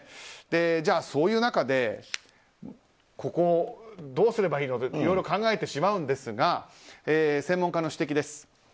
じゃあ、そういう中でここ、どうすればいいの？といろいろ考えてしまうんですが専門家の指摘です。